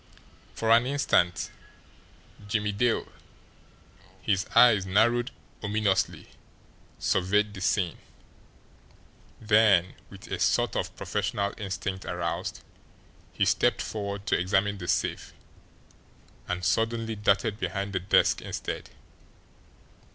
For an instant Jimmie Dale, his eyes narrowed ominously, surveyed the scene; then, with a sort of professional instinct aroused, he stepped forward to examine the safe and suddenly darted behind the desk instead.